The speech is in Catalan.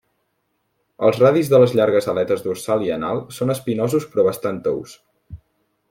Els radis de les llargues aletes dorsal i anal són espinosos però bastant tous.